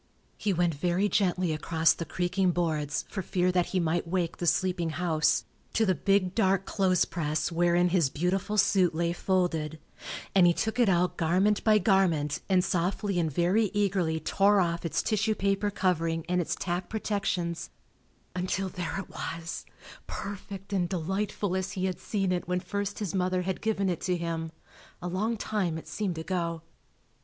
He went very gently across the creaking boards, for fear that he might wake the sleeping house, to the big dark clothes press wherein his beautiful suit lay folded, and he took it out garment by garment and softly and very eagerly tore off its tissue paper covering and its tacked protections, until there it was, perfect and delightful as he had seen it when first his mother had given it to him—a long time it seemed ago.